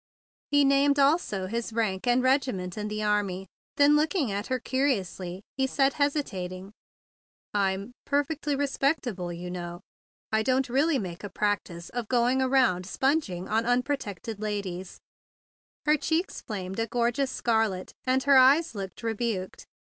He named also his rank and regiment in the army. Then, looking at her curiously, he said, hesitating: "I'm—perfectly respectable, you know. I don't really make a practice of going around sponging on unprotected ladies." THE BIG BLUE SOLDIER 129 Her cheeks flamed a gorgeous scar¬ let, and her eyes looked rebuked.